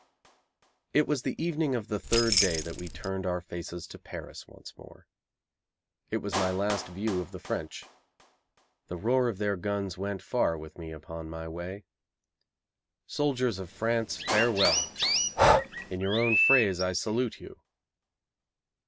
It was the evening of the third day that we turned our faces to Paris once more. It was my last view of the French. The roar of their guns went far with me upon my way. Soldiers of France, farewell! In your own phrase I salute you!